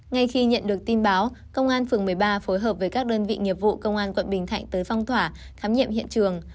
ngay khi nhận được tin báo công an phường một mươi ba phối hợp với các đơn vị nghiệp vụ công an quận bình thạnh tới phong tỏa khám nghiệm hiện trường